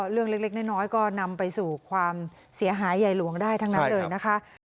เรื่องเล็กน้อยก็นำไปสู่ความเสียหายใหญ่หลวงได้ทั้งนั้นเลยนะคะ